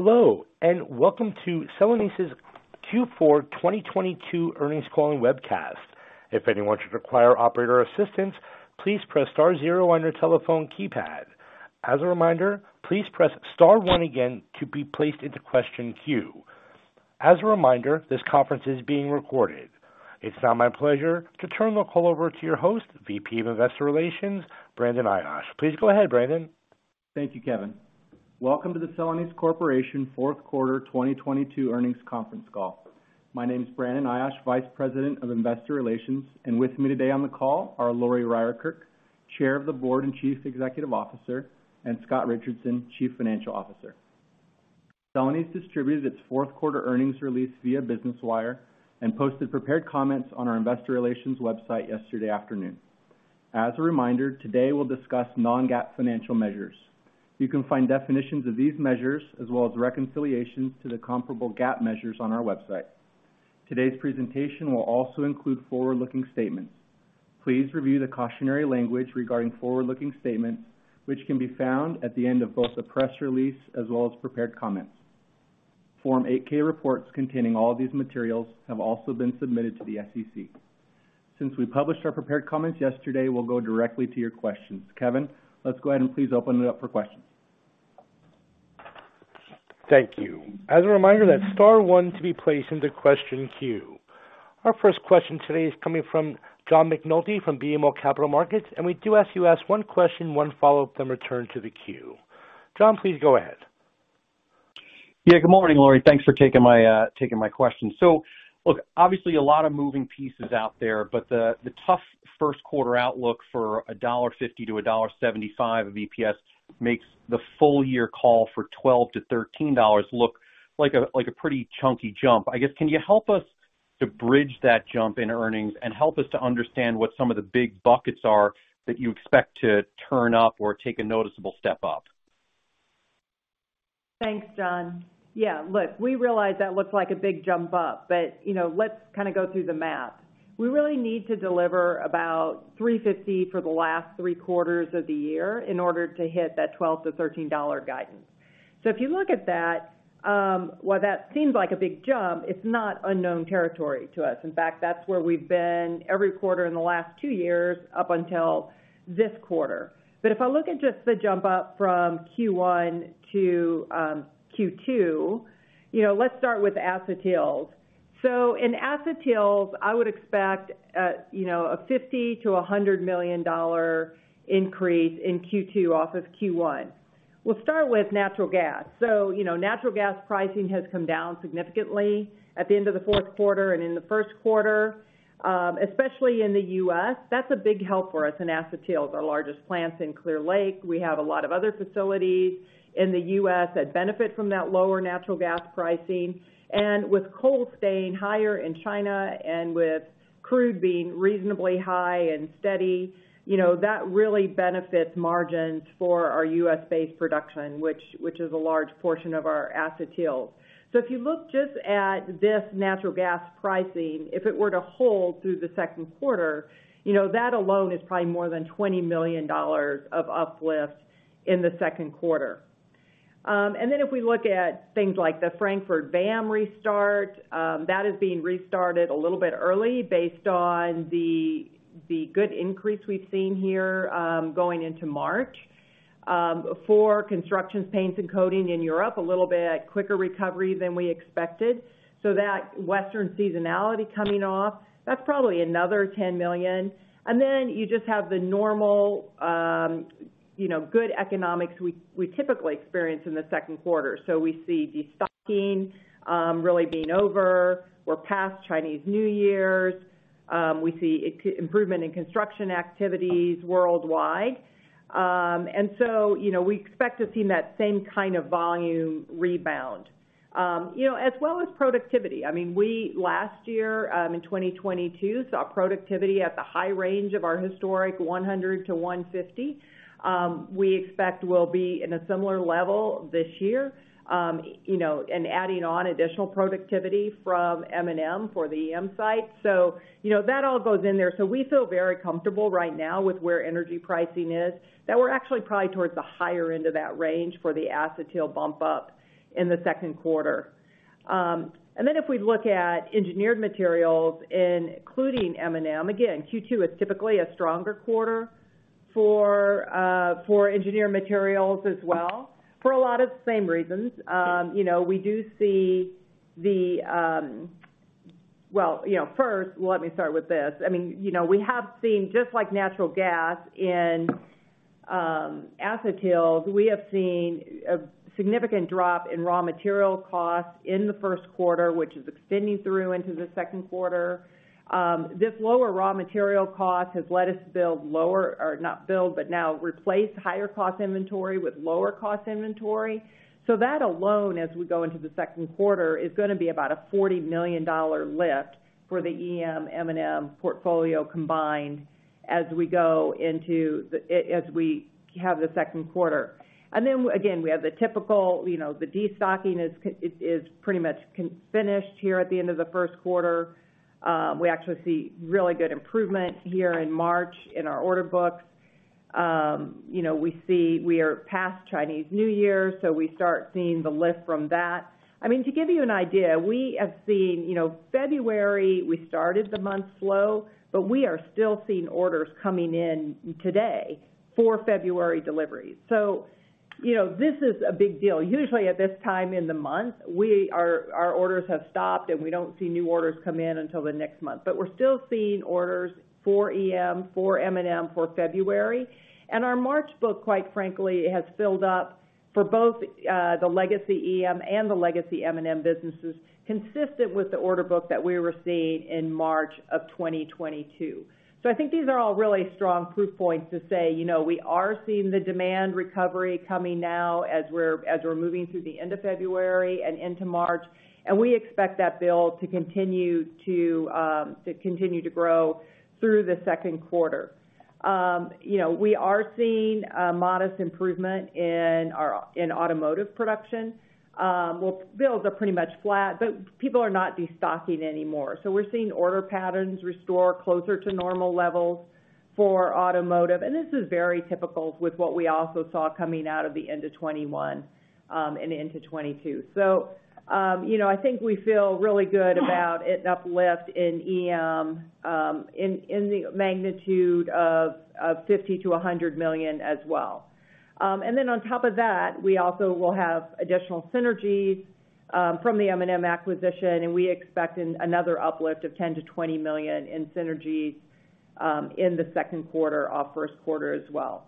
Hello, welcome to Celanese's Q4 2022 earnings call and webcast. If anyone should require operator assistance, please press star zero on your telephone keypad. As a reminder, please press star one again to be placed into question queue. As a reminder, this conference is being recorded. It's now my pleasure to turn the call over to your host, VP of Investor Relations, Brandon Ayache. Please go ahead, Brandon. Thank you, Kevin. Welcome to the Celanese Corporation fourth quarter 2022 earnings conference call. My name's Brandon Ayache, Vice President of Investor Relations, and with me today on the call are Lori Ryerkerk, Chair of the Board and Chief Executive Officer, and Scott Richardson, Chief Financial Officer. Celanese distributed its fourth quarter earnings release via Business Wire and posted prepared comments on our investor relations website yesterday afternoon. As a reminder, today we'll discuss non-GAAP financial measures. You can find definitions of these measures as well as reconciliations to the comparable GAAP measures on our website. Today's presentation will also include forward-looking statements. Please review the cautionary language regarding forward-looking statements, which can be found at the end of both the press release as well as prepared comments. Form 8-K reports containing all these materials have also been submitted to the SEC. Since we published our prepared comments yesterday, we'll go directly to your questions. Kevin, let's go ahead and please open it up for questions. Thank you. As a reminder, that's star one to be placed into question queue. Our first question today is coming from John McNulty from BMO Capital Markets. We do ask you ask one question, one follow-up, then return to the queue. John, please go ahead. Yeah, good morning, Lori. Thanks for taking my taking my question. Look, obviously a lot of moving pieces out there, but the tough first quarter outlook for $1.50-$1.75 of EPS makes the full year call for $12-$13 look like a pretty chunky jump. I guess, can you help us to bridge that jump in earnings and help us to understand what some of the big buckets are that you expect to turn up or take a noticeable step up? Thanks, John. Yeah, look, we realize that looks like a big jump up, but, you know, let's kinda go through the math. We really need to deliver about $350 for the last three quarters of the year in order to hit that $12-$13 guidance. If you look at that, while that seems like a big jump, it's not unknown territory to us. In fact, that's where we've been every quarter in the last two years up until this quarter. If I look at just the jump up from Q1 to Q2, you know, let's start with acetyls. In acetyls, I would expect, you know, a $50 million-$100 million increase in Q2 off of Q1. We'll start with natural gas. You know, natural gas pricing has come down significantly at the end of the fourth quarter and in the first quarter, especially in the U.S. That's a big help for us in acetyls. It's our largest plant in Clear Lake. We have a lot of other facilities in the U.S. that benefit from that lower natural gas pricing. With coal staying higher in China and with crude being reasonably high and steady, you know, that really benefits margins for our U.S.-based production, which is a large portion of our acetyls. If you look just at this natural gas pricing, if it were to hold through the second quarter, you know, that alone is probably more than $20 million of uplift in the second quarter. If we look at things like the Frankfurt VAM restart, that is being restarted a little bit early based on the good increase we've seen here, going into March. For constructions, paints, and coating in Europe, a little bit quicker recovery than we expected. That Western seasonality coming off, that's probably another $10 million. You just have the normal, you know, good economics we typically experience in the second quarter. We see destocking really being over. We're past Chinese New Year. We see improvement in construction activities worldwide. You know, we expect to see that same kind of volume rebound. You know, as well as productivity. I mean, we, last year, in 2022, saw productivity at the high range of our historic 100-150. We expect we'll be in a similar level this year, you know, and adding on additional productivity from M&M for the EM site. You know, that all goes in there. We feel very comfortable right now with where energy pricing is, that we're actually probably towards the higher end of that range for the acetyls bump up in the second quarter. Then if we look at Engineered Materials, including M&M, again, Q2 is typically a stronger quarter for Engineered Materials as well, for a lot of the same reasons. You know, Well, you know, first, let me start with this. I mean, you know, we have seen, just like natural gas in acetyls, we have seen a significant drop in raw material costs in the first quarter, which is extending through into the second quarter. This lower raw material cost has let us build lower, or not build, but now replace higher cost inventory with lower cost inventory. That alone, as we go into the second quarter, is gonna be about a $40 million lift for the EM, M&M portfolio combined as we have the second quarter. We have the typical, you know, the destocking is pretty much finished here at the end of the first quarter. We actually see really good improvement here in March in our order books. We see we are past Chinese New Year, we start seeing the lift from that. To give you an idea, we have seen, you know, February, we started the month slow, we are still seeing orders coming in today for February deliveries. You know, this is a big deal. Usually at this time in the month, our orders have stopped, and we don't see new orders come in until the next month. We're still seeing orders for EM, for M&M for February. Our March book, quite frankly, has filled up for both the legacy EM and the legacy M&M businesses, consistent with the order book that we were seeing in March of 2022. I think these are all really strong proof points to say, you know, we are seeing the demand recovery coming now as we're moving through the end of February and into March. We expect that build to continue to grow through the second quarter. You know, we are seeing a modest improvement in automotive production. Well, builds are pretty much flat, but people are not destocking anymore. We're seeing order patterns restore closer to normal levels for automotive. This is very typical with what we also saw coming out of the end of 2021 and into 2022. You know, I think we feel really good about an uplift in EM in the magnitude of $50 million-$100 million as well. On top of that, we also will have additional synergies from the M&M acquisition, and we expect another uplift of $10 million-$20 million in synergies in the second quarter off first quarter as well.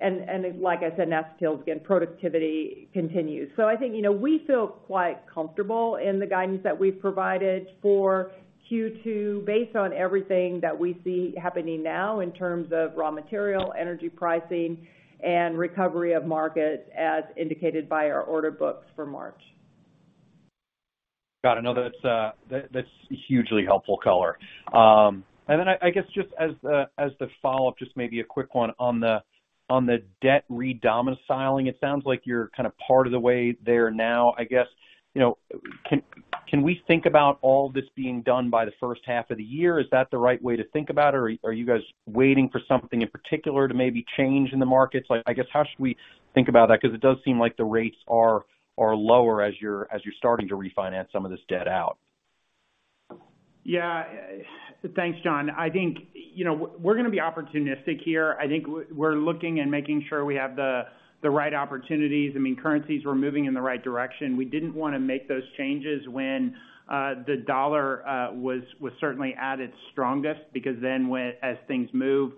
Like I said, that scales, again, productivity continues. I think, you know, we feel quite comfortable in the guidance that we've provided for Q2 based on everything that we see happening now in terms of raw material, energy pricing, and recovery of markets as indicated by our order books for March. Got it. No, that's, that's hugely helpful color. I guess just as the follow-up, just maybe a quick one on the, on the debt redomiciling, it sounds like you're kind of part of the way there now. I guess, you know, can we think about all this being done by the first half of the year? Is that the right way to think about, or are you guys waiting for something in particular to maybe change in the markets? Like, I guess, how should we think about that? Because it does seem like the rates are lower as you're, as you're starting to refinance some of this debt out. Yeah. Thanks, John. I think, you know, we're gonna be opportunistic here. I think we're looking and making sure we have the right opportunities. I mean, currencies were moving in the right direction. We didn't wanna make those changes when the dollar was certainly at its strongest, because then as things move,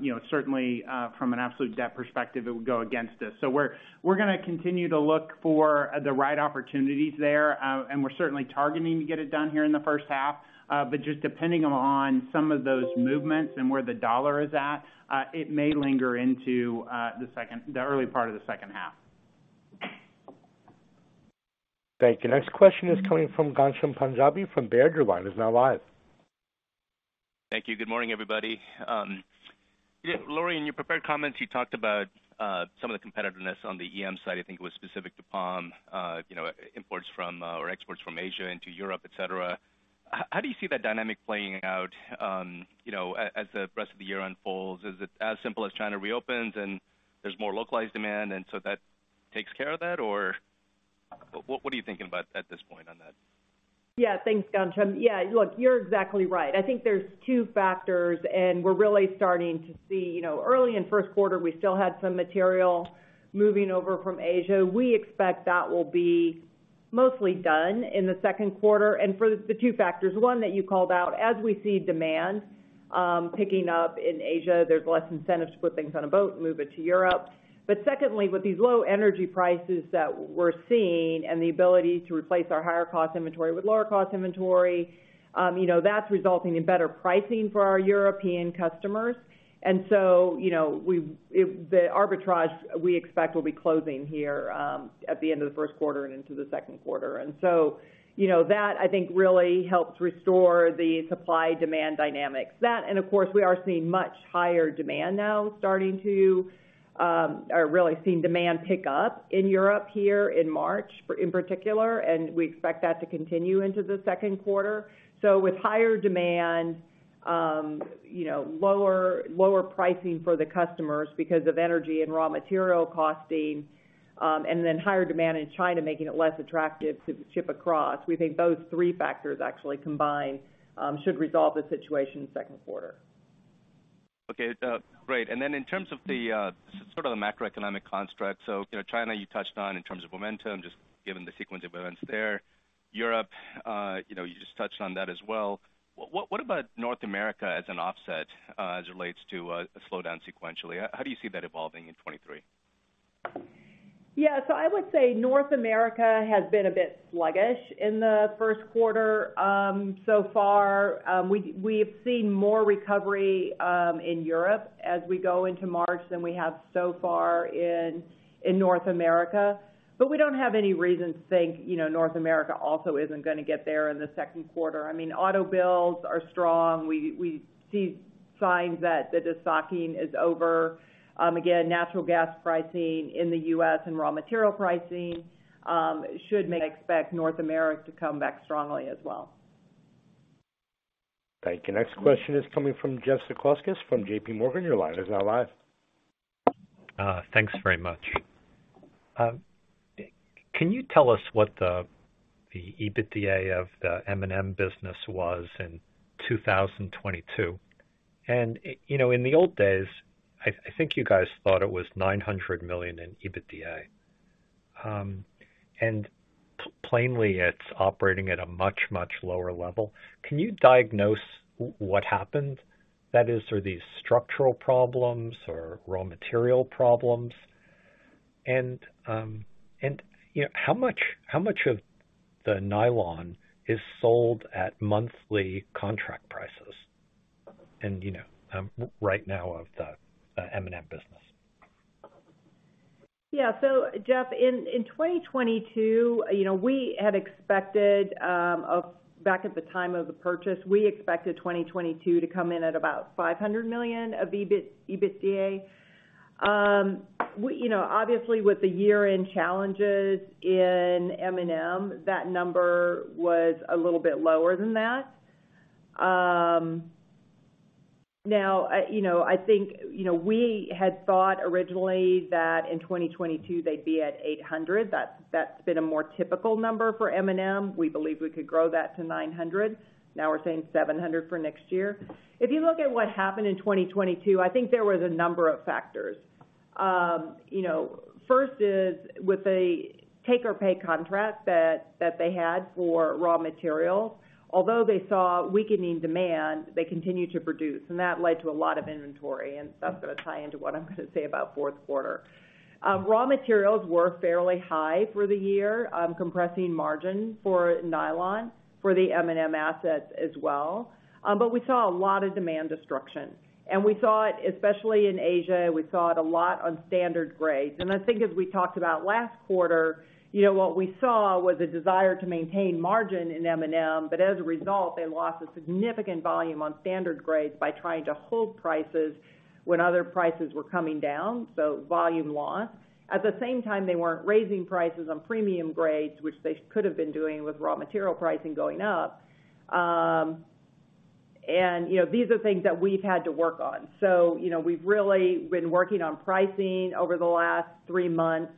you know, certainly, from an absolute debt perspective, it would go against us. We're gonna continue to look for the right opportunities there. We're certainly targeting to get it done here in the first half. Just depending on some of those movements and where the dollar is at, it may linger into the early part of the second half. Thank you. Next question is coming from Ghansham Panjabi from Baird. Your line is now live. Thank you. Good morning, everybody. Yeah, Lori, in your prepared comments, you talked about some of the competitiveness on the EM side. I think it was specific to palm, you know, imports from or exports from Asia into Europe, et cetera. How do you see that dynamic playing out, you know, as the rest of the year unfolds? Is it as simple as China reopens and there's more localized demand, and so that takes care of that? Or what are you thinking about at this point on that? Yeah. Thanks, Ghansham. Yeah, look, you're exactly right. I think there's two factors. We're really starting to see, you know, early in first quarter, we still had some material moving over from Asia. We expect that will be mostly done in the second quarter. For the two factors, one that you called out, as we see demand picking up in Asia, there's less incentive to put things on a boat and move it to Europe. Secondly, with these low energy prices that we're seeing and the ability to replace our higher cost inventory with lower cost inventory, you know, that's resulting in better pricing for our European customers. You know, the arbitrage we expect will be closing here at the end of the first quarter and into the second quarter. You know, that I think really helps restore the supply-demand dynamics. That, of course, we are seeing much higher demand now starting to, or really seeing demand pick up in Europe here in March, in particular, and we expect that to continue into the second quarter. With higher demand, you know, lower pricing for the customers because of energy and raw material costing, and then higher demand in China making it less attractive to ship across, we think those three factors actually combined, should resolve the situation in second quarter. Okay. Great. In terms of the, sort of the macroeconomic construct, you know, China you touched on in terms of momentum, just given the sequence of events there. Europe, you know, you just touched on that as well. What about North America as an offset, as it relates to a slowdown sequentially? How do you see that evolving in 2023? Yeah. I would say North America has been a bit sluggish in the first quarter so far. We have seen more recovery in Europe as we go into March than we have so far in North America. We don't have any reason to think, you know, North America also isn't gonna get there in the second quarter. I mean, auto builds are strong. We see signs that the destocking is over. Again, natural gas pricing in the U.S. and raw material pricing should make us expect North America to come back strongly as well. Thank you. Next question is coming from Jeff Zekauskas from JPMorgan. Your line is now live. Thanks very much. Can you tell us what the EBITDA of the M&M business was in 2022? You know, in the old days, I think you guys thought it was $900 million in EBITDA. Plainly, it's operating at a much, much lower level. Can you diagnose what happened? That is, are these structural problems or raw material problems? You know, how much of the nylon is sold at monthly contract prices? You know, right now of the M&M business. Jeff, in 2022, you know, at the time of the purchase, we expected 2022 to come in at about $500 million of EBIT, EBITDA. You know, obviously, with the year-end challenges in M&M, that number was a little bit lower than that. Now, you know, I think, you know, we had thought originally that in 2022 they'd be at $800 million. That's been a more typical number for M&M. We believe we could grow that to $900 million. Now we're saying $700 million for next year. If you look at what happened in 2022, I think there was a number of factors. You know, first is with a take-or-pay contract that they had for raw materials, although they saw weakening demand, they continued to produce, and that led to a lot of inventory, and that's gonna tie into what I'm gonna say about fourth quarter. Raw materials were fairly high for the year, compressing margin for nylon for the M&M assets as well. We saw a lot of demand destruction, and we saw it especially in Asia, we saw it a lot on standard grades. I think as we talked about last quarter, you know, what we saw was a desire to maintain margin in M&M, but as a result, they lost a significant volume on standard grades by trying to hold prices when other prices were coming down, so volume loss. At the same time, they weren't raising prices on premium grades, which they could have been doing with raw material pricing going up. You know, these are things that we've had to work on. You know, we've really been working on pricing over the last three months,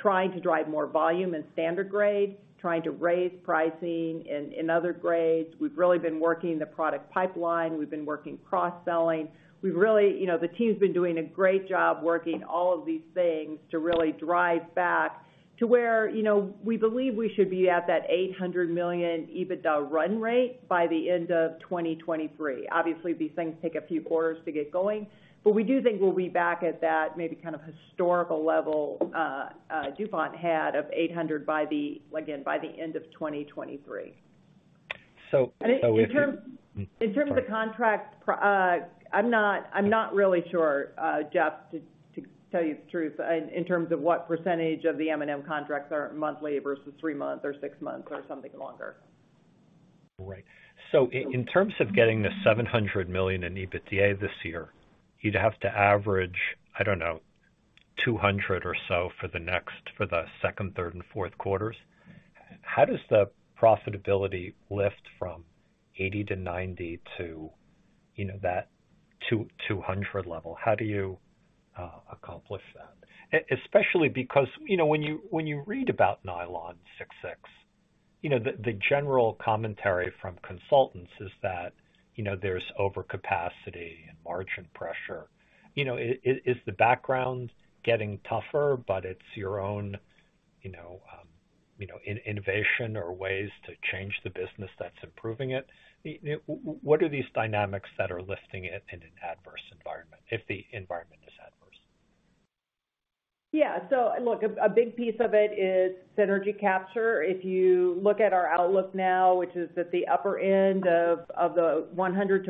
trying to drive more volume in standard grades, trying to raise pricing in other grades. We've really been working the product pipeline. We've been working cross-selling. We've really, you know, the team's been doing a great job working all of these things to really drive back to where, you know, we believe we should be at that $800 million EBITDA run rate by the end of 2023. Obviously, these things take a few quarters to get going, but we do think we'll be back at that maybe kind of historical level DuPont had of $800 by the end of 2023. So- And in terms- Sorry. In terms of contracts, I'm not really sure, Jeff, to tell you the truth in terms of what percentage of the M&M contracts are monthly versus three months or six months or something longer. In terms of getting the $700 million in EBITDA this year, you'd have to average, I don't know, $200 or so for the next, for the second, third and fourth quarters. How does the profitability lift from $80 to $90 to, you know, that $200 level? How do you accomplish that? Especially because, you know, when you, when you read about Nylon 6.6, you know, the general commentary from consultants is that, you know, there's overcapacity and margin pressure. You know, is the background getting tougher, but it's your own, you know, innovation or ways to change the business that's improving it? You know, what are these dynamics that are lifting it in an adverse environment, if the environment is adverse? Yeah. Look, a big piece of it is synergy capture. If you look at our outlook now, which is at the upper end of the $100 million-$135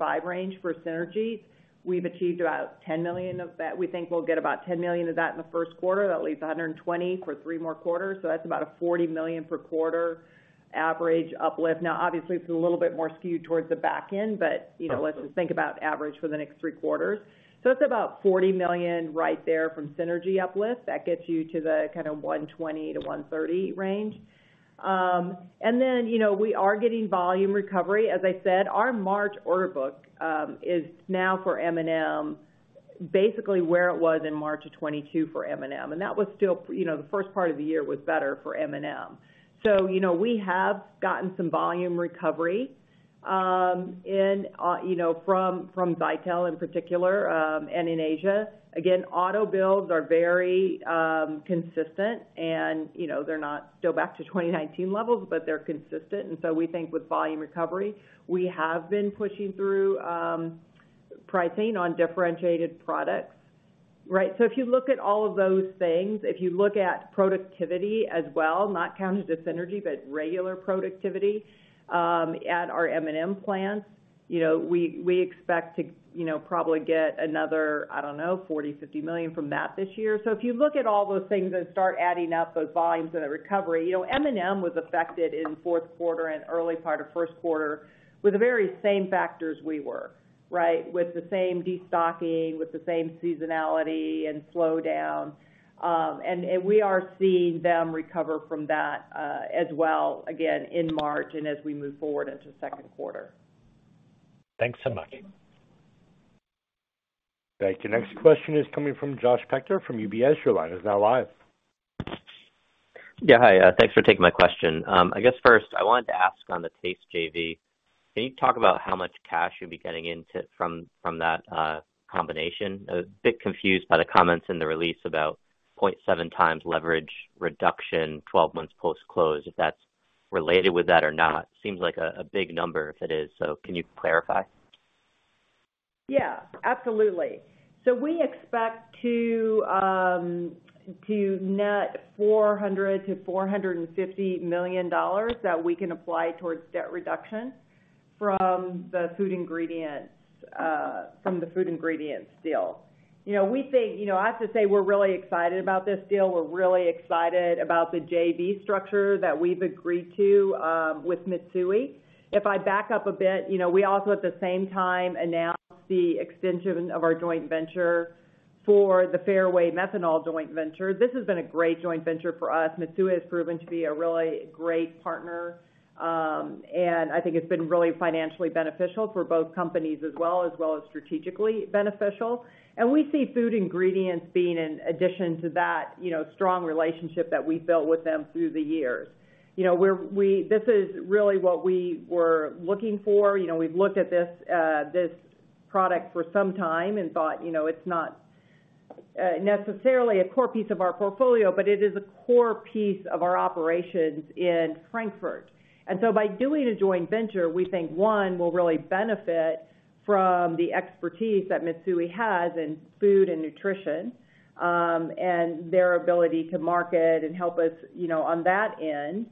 million range for synergy, we've achieved about $10 million of that. We think we'll get about $10 million of that in the first quarter. That leaves $120 million for three more quarters. That's about a $40 million per quarter average uplift. Now, obviously, it's a little bit more skewed towards the back end, but, you know, let's just think about average for the next three quarters. It's about $40 million right there from synergy uplift. That gets you to the kind of $120 million-$130 million range. Then, you know, we are getting volume recovery. As I said, our March order book is now for M&M, basically where it was in March of 2022 for M&M. That was still, you know, the first part of the year was better for M&M. We have gotten some volume recovery in, you know, from Zytel in particular, and in Asia. Auto builds are very consistent and, you know, they're not still back to 2019 levels, but they're consistent. We think with volume recovery, we have been pushing through pricing on differentiated products, right? If you look at all of those things, if you look at productivity as well, not counted as synergy, but regular productivity at our M&M plants, you know, we expect to, you know, probably get another, I don't know, $40 million-$50 million from that this year. If you look at all those things and start adding up those volumes and the recovery, you know, M&M was affected in fourth quarter and early part of first quarter with the very same factors we were, right? With the same destocking, with the same seasonality and slowdown. We are seeing them recover from that as well, again, in March and as we move forward into second quarter. Thanks so much. Thank you. Next question is coming from Josh Spector from UBS. Your line is now live. Yeah. Hi. Thanks for taking my question. I guess first I wanted to ask on the Taste JV. Can you talk about how much cash you'll be getting into from that combination? I was a bit confused by the comments in the release about 0.7 times leverage reduction 12 months post-close, if that's related with that or not. Seems like a big number if it is. Can you clarify? Yeah, absolutely. We expect to net $400 million-$450 million that we can apply towards debt reduction from the Food Ingredients deal. You know, we think, you know, I have to say, we're really excited about this deal. We're really excited about the JV structure that we've agreed to with Mitsui. If I back up a bit, you know, we also at the same time announced the extension of our joint venture for the Fairway Methanol joint venture. This has been a great joint venture for us. Mitsui has proven to be a really great partner, and I think it's been really financially beneficial for both companies as well, as well as strategically beneficial. We see food ingredients being an addition to that, you know, strong relationship that we built with them through the years. You know, this is really what we were looking for. You know, we've looked at this product for some time and thought, you know, it's not necessarily a core piece of our portfolio, but it is a core piece of our operations in Frankfurt. By doing a joint venture, we think, one, we'll really benefit from the expertise that Mitsui has in food and nutrition, and their ability to market and help us, you know, on that end.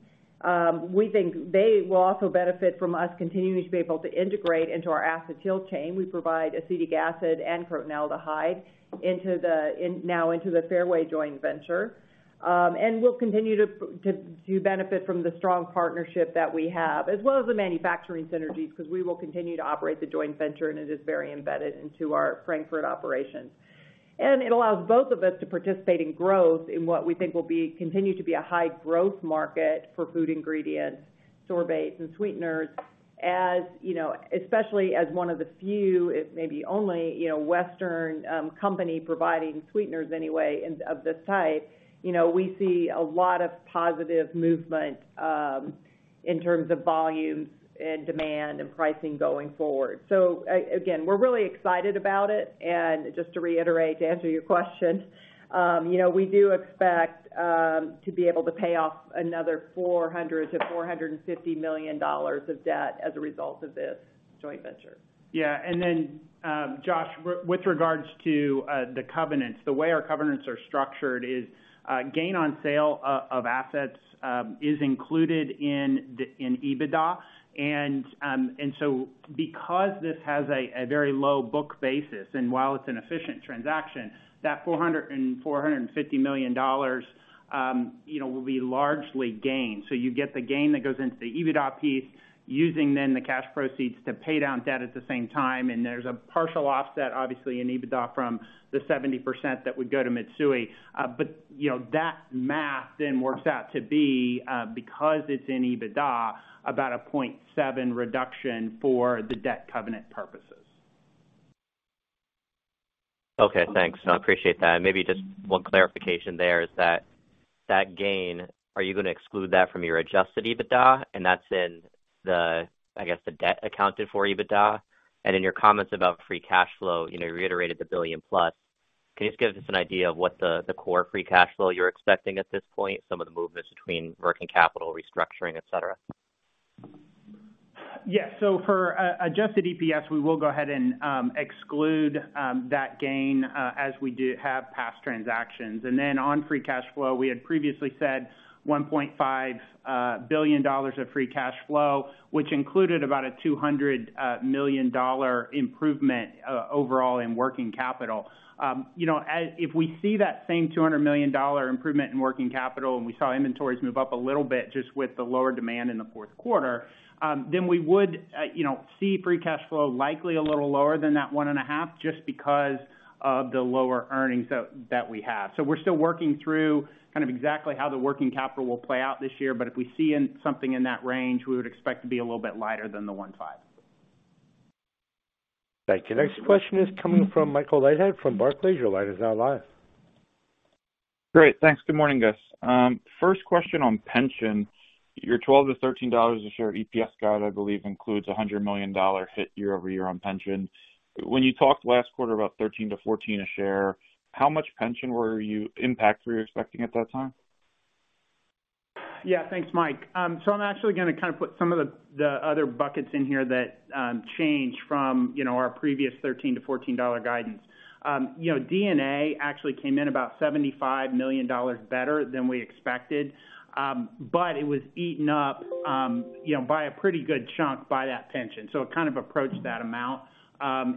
We think they will also benefit from us continuing to be able to integrate into our acetyl chain. We provide acetic acid and crotonaldehyde in now into the Fairway joint venture. We'll continue to benefit from the strong partnership that we have as well as the manufacturing synergies, 'cause we will continue to operate the joint venture, and it is very embedded into our Frankfurt operations. It allows both of us to participate in growth in what we think continue to be a high growth market for Food Ingredients, Sorbates and Sweeteners. As, you know, especially as one of the few, if maybe only, you know, Western company providing sweeteners anyway of this type, you know, we see a lot of positive movement in terms of volumes and demand and pricing going forward. Again, we're really excited about it. Just to reiterate, to answer your question, you know, we do expect to be able to pay off another $400 million-$450 million of debt as a result of this joint venture. Yeah. Josh, with regards to the covenants, the way our covenants are structured is gain on sale of assets is included in EBITDA. Because this has a very low book basis, and while it's an efficient transaction, that $400 million-$450 million, you know, will be largely gained. You get the gain that goes into the EBITDA piece, using then the cash proceeds to pay down debt at the same time. There's a partial offset, obviously, in EBITDA from the 70% that would go to Mitsui. You know, that math then works out to be, because it's in EBITDA, about a 0.7 reduction for the debt covenant purposes. Okay, thanks. No, I appreciate that. Maybe just one clarification there is that gain, are you gonna exclude that from your adjusted EBITDA? That's in the, I guess, the debt accounted for EBITDA. In your comments about free cash flow, you know, you reiterated the $1 billion+. Can you just give us an idea of what the core free cash flow you're expecting at this point, some of the movements between working capital restructuring, et cetera? For adjusted EPS, we will go ahead and exclude that gain as we do have past transactions. On free cash flow, we had previously said $1.5 billion of free cash flow, which included about a $200 million improvement overall in working capital. You know, if we see that same $200 million improvement in working capital and we saw inventories move up a little bit just with the lower demand in the fourth quarter, then we would, you know, see free cash flow likely a little lower than that one and a half just because of the lower earnings that we have. We're still working through kind of exactly how the working capital will play out this year, but if we see something in that range, we would expect to be a little bit lighter than the $1.5 billion. Thank you. Next question is coming from Michael Leithead from Barclays. Your line is now live. Great. Thanks. Good morning, guys. First question on pension. Your $12-$13 a share EPS guide, I believe, includes a $100 million hit year-over-year on pension. When you talked last quarter about $13-$14 a share, how much pension impact were you expecting at that time? Thanks, Mike. I'm actually gonna kind of put some of the other buckets in here that change from, you know, our previous $13-$14 guidance. You know, DNA actually came in about $75 million better than we expected, but it was eaten up, you know, by a pretty good chunk by that pension. It kind of approached that amount.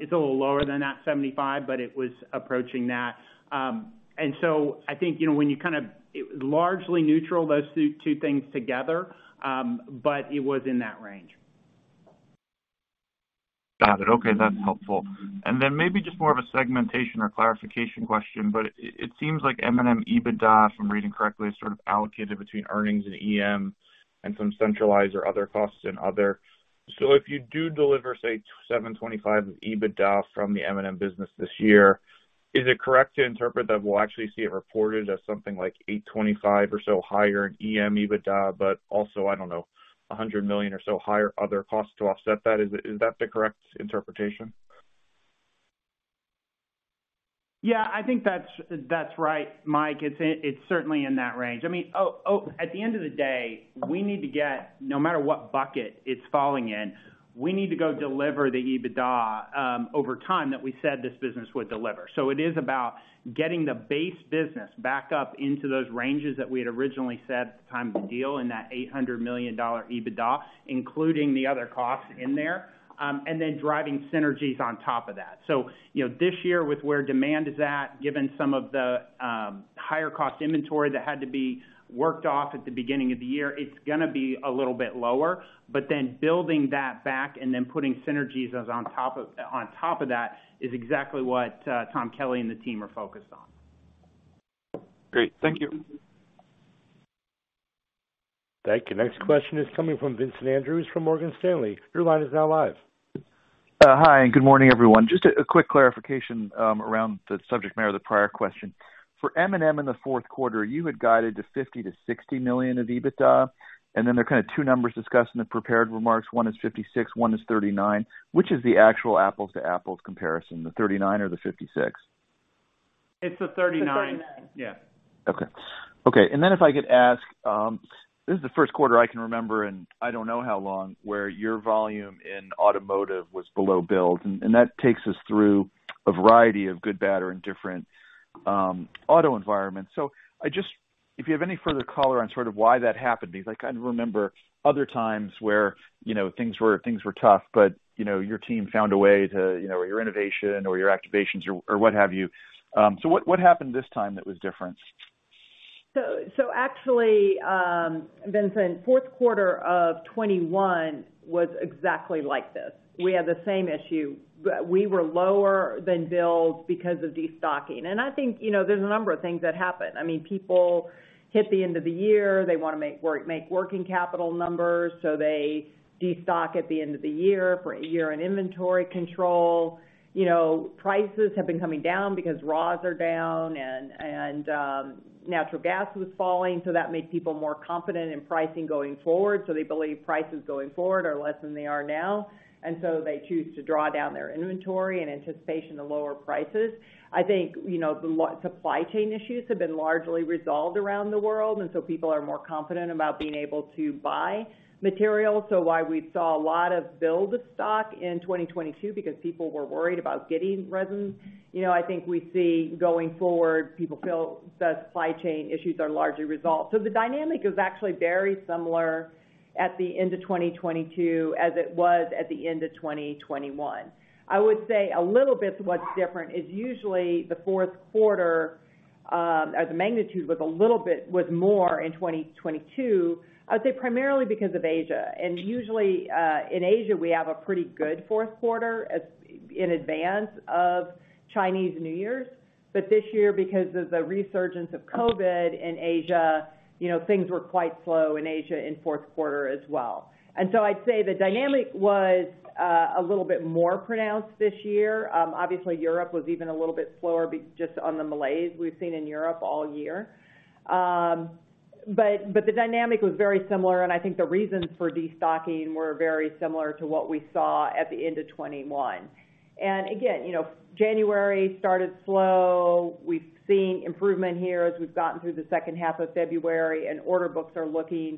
It's a little lower than that $75 million, but it was approaching that. I think, you know, when you it largely neutral those two things together, but it was in that range. Got it. Okay. That's helpful. Then maybe just more of a segmentation or clarification question, but it seems like M&M EBITDA, if I'm reading correctly, is sort of allocated between earnings and EM and some centralized or other costs and other. If you do deliver, say, $725 of EBITDA from the M&M business this year, is it correct to interpret that we'll actually see it reported as something like $825 or so higher in EM EBITDA, but also, I don't know, $100 million or so higher other costs to offset that? Is that the correct interpretation? I think that's right, Mike. It's in, it's certainly in that range. I mean, at the end of the day, we need to get no matter what bucket it's falling in, we need to go deliver the EBITDA over time that we said this business would deliver. It is about getting the base business back up into those ranges that we had originally said at the time of the deal in that $800 million EBITDA, including the other costs in there, and then driving synergies on top of that. You know, this year with where demand is at, given some of the higher cost inventory that had to be worked off at the beginning of the year, it's gonna be a little bit lower. Building that back and then putting synergies as on top of that is exactly what, Tom Kelly and the team are focused on. Great. Thank you. Thank you. Next question is coming from Vincent Andrews from Morgan Stanley. Your line is now live. Hi, and good morning, everyone. Just a quick clarification around the subject matter of the prior question. For M&M in the fourth quarter, you had guided to $50 million-$60 million of EBITDA, and then there are kind of two numbers discussed in the prepared remarks. One is 56, one is 39. Which is the actual apples to apples comparison, the 39 or the 56? It's the 39. The 39. Yeah. Okay. Okay. If I could ask, this is the first quarter I can remember, and I don't know how long, where your volume in automotive was below build. That takes us through a variety of good, bad, or indifferent, auto environments. If you have any further color on sort of why that happened, because I can remember other times where, you know, things were, things were tough, but, you know, your team found a way to, you know, your innovation or your activations or what have you. What, what happened this time that was different? Actually, Vincent, fourth quarter of 2021 was exactly like this. We had the same issue. We were lower than build because of destocking. I think, you know, there's a number of things that happened. I mean, people hit the end of the year. They wanna make work, make working capital numbers, so they destock at the end of the year for a year in inventory control. You know, prices have been coming down because raws are down and natural gas was falling, so that made people more confident in pricing going forward. They believe prices going forward are less than they are now, and so they choose to draw down their inventory in anticipation of lower prices. I think, you know, the supply chain issues have been largely resolved around the world, people are more confident about being able to buy material. Why we saw a lot of build of stock in 2022 because people were worried about getting resin. You know, I think we see going forward, people feel the supply chain issues are largely resolved. The dynamic is actually very similar at the end of 2022 as it was at the end of 2021. I would say a little bit what's different is usually the fourth quarter, as a magnitude was a little bit more in 2022, I'd say primarily because of Asia. Usually, in Asia, we have a pretty good fourth quarter as in advance of Chinese New Year. This year, because of the resurgence of COVID in Asia, you know, things were quite slow in Asia in fourth quarter as well. I'd say the dynamic was a little bit more pronounced this year. Obviously Europe was even a little bit slower just on the malaise we've seen in Europe all year. The dynamic was very similar, and I think the reasons for destocking were very similar to what we saw at the end of 2021. Again, you know, January started slow. We've seen improvement here as we've gotten through the second half of February, and order books are looking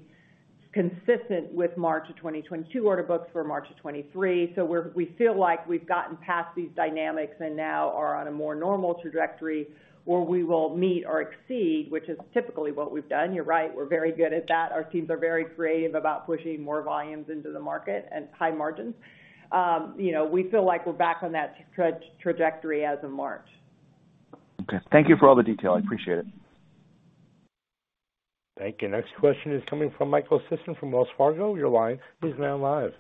consistent with March of 2022 order books for March of 2023. We feel like we've gotten past these dynamics and now are on a more normal trajectory where we will meet or exceed, which is typically what we've done. You're right, we're very good at that. Our teams are very creative about pushing more volumes into the market at high margins. you know, we feel like we're back on that trajectory as of March. Okay. Thank you for all the detail. I appreciate it. Thank you. Next question is coming from Michael Sison from Wells Fargo. Your line is now live.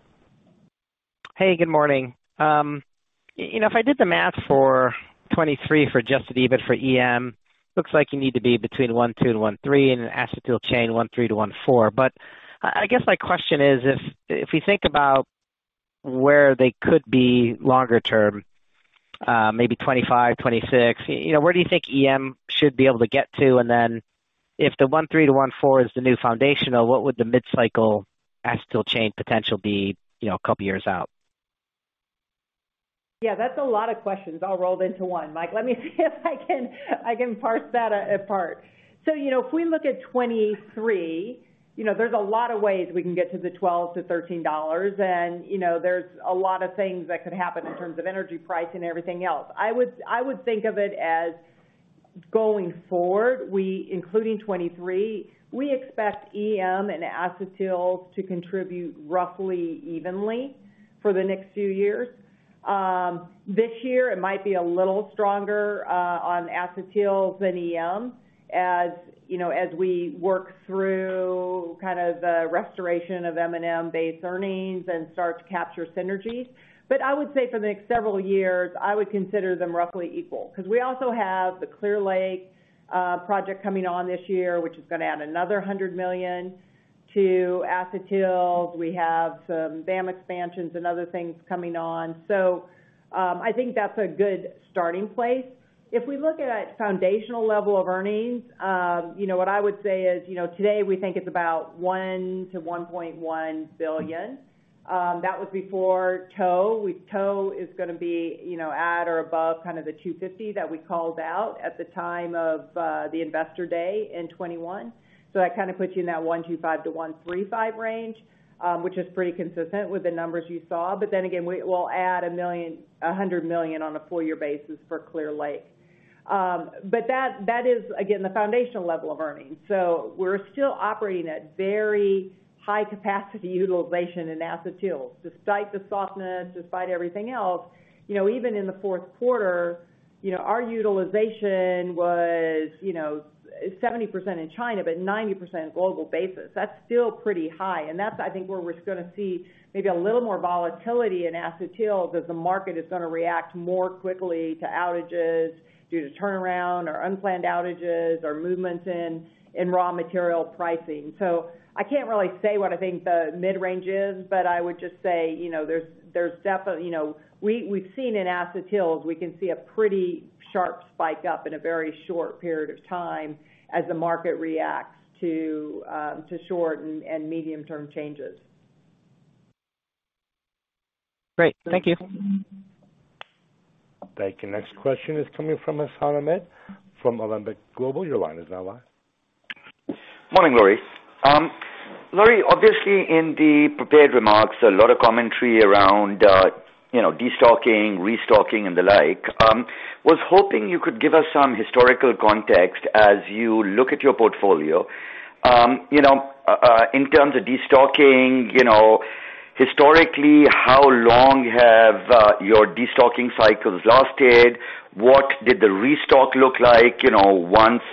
Hey, good morning. You know, if I did the math for 2023 for adjusted EBIT for EM, looks like you need to be between $1.2 billion-$1.3 billion and acetyl chain $1.3 billion-$1.4 billion. I guess my question is, if we think about where they could be longer term, maybe 2025, 2026, you know, where do you think EM should be able to get to? If the $1.3 billion-$1.4 billion is the new foundational, what would the mid-cycle acetyl chain potential be, you know, a couple years out? Yeah, that's a lot of questions all rolled into one, Mike. Let me see if I can parse that apart. You know, if we look at 2023, you know, there's a lot of ways we can get to the $12-$13 and, you know, there's a lot of things that could happen in terms of energy price and everything else. I would think of it as going forward, including 2023, we expect EM and acetyls to contribute roughly evenly for the next few years. This year it might be a little stronger on acetyls than EM, as, you know, as we work through kind of the restoration of M&M-based earnings and start to capture synergies. I would say for the next several years, I would consider them roughly equal, 'cause we also have the Clear Lake project coming on this year, which is gonna add another $100 million to acetyls. We have some VAM expansions and other things coming on. I think that's a good starting place. If we look at foundational level of earnings, you know what I would say is, today we think it's about $1 billion-$1.1 billion. That was before tow. Tow is gonna be at or above kind of the $250 million that we called out at the time of the Investor Day in 2021. That kinda puts you in that $1.25 billion-$1.35 billion range, which is pretty consistent with the numbers you saw. Again, we'll add $100 million on a full year basis for Clear Lake. That is again, the foundational level of earnings. We're still operating at very high capacity utilization in acetyl despite the softness, despite everything else. You know, even in the fourth quarter, our utilization was, you know, 70% in China, but 90% global basis. That's still pretty high, and that's I think, where we're gonna see maybe a little more volatility in acetyl as the market is gonna react more quickly to outages due to turnaround or unplanned outages or movements in raw material pricing. I can't really say what I think the mid-range is, but I would just say, you know, there's, you know, we've seen in acetyl, we can see a pretty sharp spike up in a very short period of time as the market reacts to short and medium term changes. Great. Thank you. Thank you. Next question is coming from Hassan Ahmed from Alembic Global. Your line is now live. Morning, Lori. Lori, obviously in the prepared remarks, a lot of commentary around, you know, destocking, restocking and the like. Was hoping you could give us some historical context as you look at your portfolio. You know, in terms of destocking, you know, historically, how long have your destocking cycles lasted? What did the restock look like, you know, once,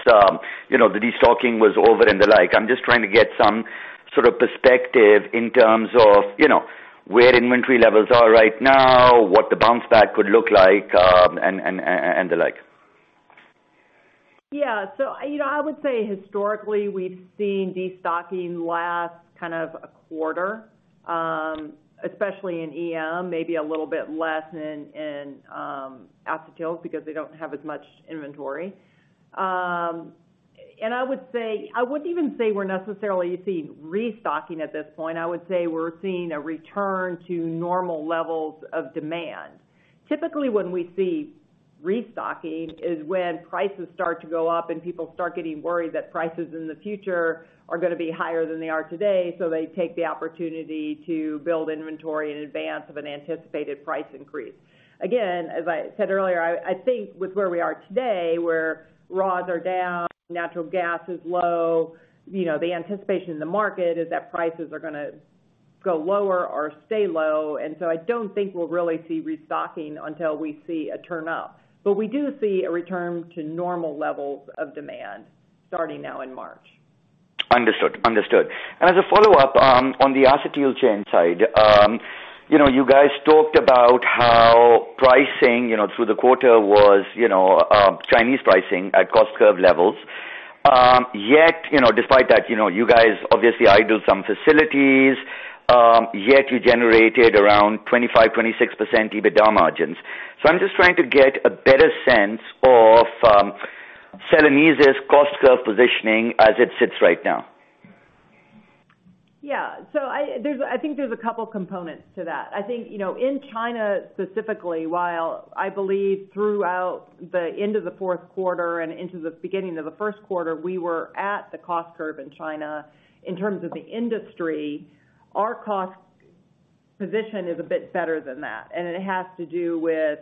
you know, the destocking was over and the like? I'm just trying to get some sort of perspective in terms of, you know, where inventory levels are right now, what the bounce back could look like, and the like. Yeah. You know, I would say historically, we've seen destocking last kind of a quarter, especially in EM, maybe a little bit less in acetyl because they don't have as much inventory. I wouldn't even say we're necessarily seeing restocking at this point. I would say we're seeing a return to normal levels of demand. Typically, when we see restocking is when prices start to go up and people start getting worried that prices in the future are gonna be higher than they are today, so they take the opportunity to build inventory in advance of an anticipated price increase. Again, as I said earlier, I think with where we are today, where raws are down, natural gas is low, you know, the anticipation in the market is that prices are gonna go lower or stay low. I don't think we'll really see restocking until we see a turn up. We do see a return to normal levels of demand starting now in March. Understood. Understood. As a follow-up, on the acetyl chain side, you know, you guys talked about how pricing, you know, through the quarter was, you know, Chinese pricing at cost curve levels. Yet, you know, despite that, you know, you guys obviously idle some facilities, yet you generated around 25%-26% EBITDA margins. I'm just trying to get a better sense of Celanese's cost curve positioning as it sits right now. I think there's a couple components to that. I think, you know, in China specifically, while I believe throughout the end of the fourth quarter and into the beginning of the first quarter, we were at the cost curve in China. In terms of the industry, our cost position is a bit better than that, and it has to do with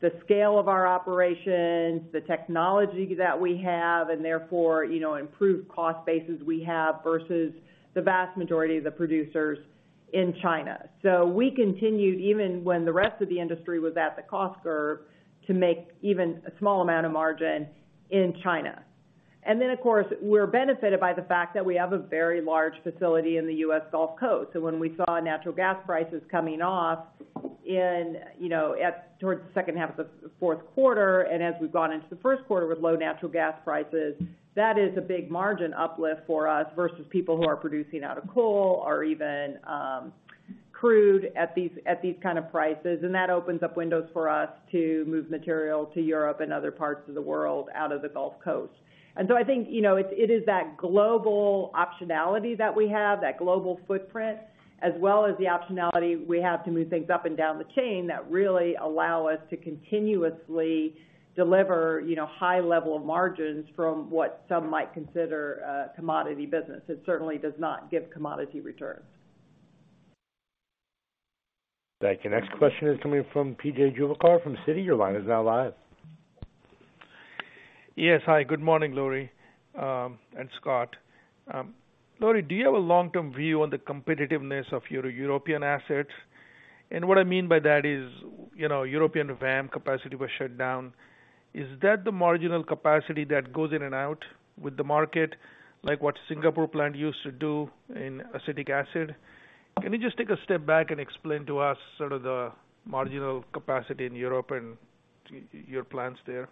the scale of our operations, the technology that we have, and therefore, you know, improved cost bases we have versus the vast majority of the producers in China. We continued, even when the rest of the industry was at the cost curve, to make even a small amount of margin in China. Of course, we're benefited by the fact that we have a very large facility in the U.S. Gulf Coast. When we saw natural gas prices coming off in, you know, towards the second half of the fourth quarter, and as we've gone into the first quarter with low natural gas prices, that is a big margin uplift for us versus people who are producing out of coal or even crude at these kind of prices. That opens up windows for us to move material to Europe and other parts of the world out of the Gulf Coast. I think, you know, it is that global optionality that we have, that global footprint, as well as the optionality we have to move things up and down the chain that really allow us to continuously deliver, you know, high level of margins from what some might consider a commodity business. It certainly does not give commodity returns. Thank you. Next question is coming from PJ Juvekar from Citi. Your line is now live. Yes. Hi, good morning, Lori, and Scott. Lori, do you have a long-term view on the competitiveness of your European assets? What I mean by that is, you know, European VAM capacity was shut down. Is that the marginal capacity that goes in and out with the market, like what Singapore plant used to do in acetic acid? Can you just take a step back and explain to us sort of the marginal capacity in Europe and your plans there?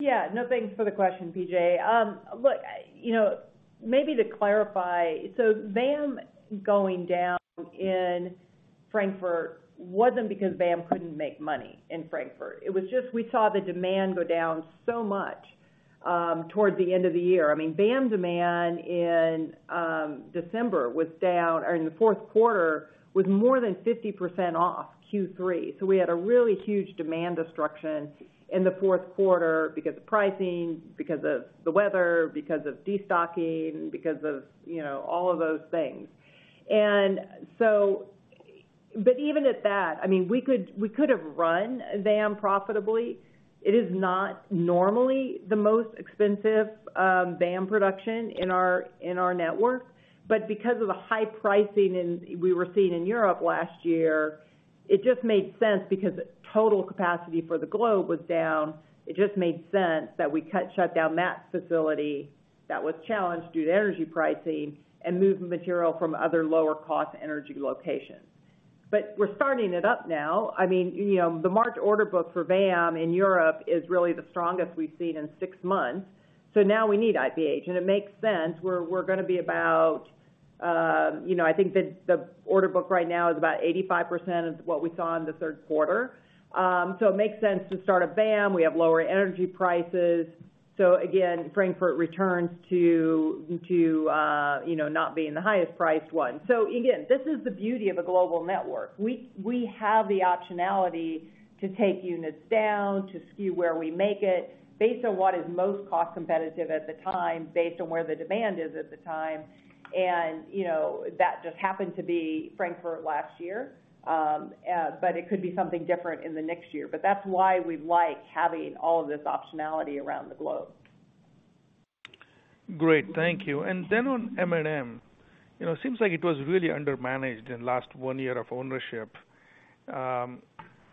Yeah. No, thanks for the question, PJ Look, you know, maybe to clarify, VAM going down in Frankfurt wasn't because VAM couldn't make money in Frankfurt. It was just we saw the demand go down so much towards the end of the year. I mean, VAM demand in December was down, or in the fourth quarter was more than 50% off Q3. We had a really huge demand destruction in the fourth quarter because of pricing, because of the weather, because of destocking, because of, you know, all of those things. Even at that, I mean, we could, we could have run VAM profitably. It is not normally the most expensive VAM production in our network. Because of the high pricing and we were seeing in Europe last year, it just made sense because total capacity for the globe was down. It just made sense that we shut down that facility that was challenged due to energy pricing and move material from other lower cost energy locations. We're starting it up now. I mean, you know, the March order book for VAM in Europe is really the strongest we've seen in six months. Now we need IPH, and it makes sense. We're gonna be about, you know, I think the order book right now is about 85% of what we saw in the 3rd quarter. It makes sense to start a VAM. We have lower energy prices. Again, Frankfurt returns to, you know, not being the highest priced one. Again, this is the beauty of a global network. We have the optionality to take units down, to skew where we make it based on what is most cost competitive at the time, based on where the demand is at the time. You know, that just happened to be Frankfurt last year, but it could be something different in the next year. That's why we like having all of this optionality around the globe. Great. Thank you. On M&M, you know, it seems like it was really undermanaged in last one year of ownership.